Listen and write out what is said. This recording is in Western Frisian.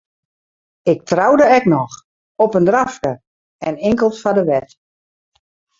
Ik troude ek noch, op in drafke en inkeld foar de wet.